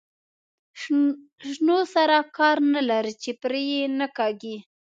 شنو سره کار نه لري چې پرې یې نه کاږي.